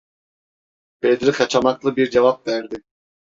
Bedri kaçamaklı bir cevap verdi: